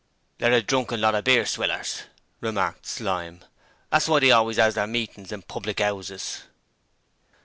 'They're a drunken lot of beer swillers,' remarked Slyme. 'That's why they always 'as their meetings in public 'ouses.'